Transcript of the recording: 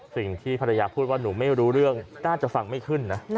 สิ่งที่ภรรยาพูดว่าหนูไม่รู้เรื่องน่าจะฟังไม่ขึ้นนะ